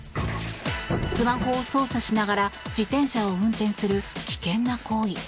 スマホを操作しながら自転車を運転する危険な行為。